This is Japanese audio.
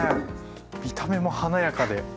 見た目も華やかで。